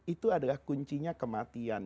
itu adalah kuncinya kematian